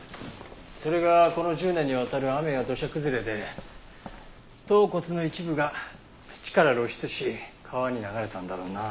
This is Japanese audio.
それがこの１０年にわたる雨や土砂崩れで頭骨の一部が土から露出し川に流れたんだろうな。